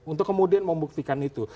untuk kemudian membuktikan itu